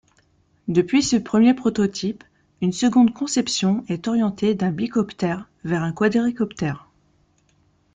Depuis ce premier prototype, une seconde conception est orientée d’un bicoptère vers un quadricoptère.